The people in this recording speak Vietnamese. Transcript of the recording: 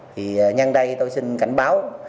thì nhân đây tôi xin cảnh báo